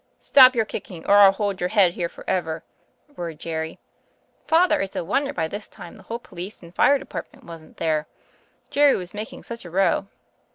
'Stop your kick ing, or I'll hold your head here forever,' roared Jerry. Father, it's a wonder by this time the whole police and fire department wasn't there — Jerry was making such a row.